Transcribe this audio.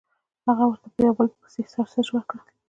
هغه ورته یو په بل پسې ساسج ورکړل